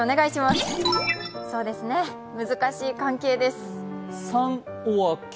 そうですね、難しい関係です。